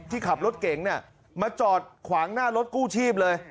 ที่ขับรถเก่งเนี่ยมาจอดขวางหน้ารถกู้ชีพเลย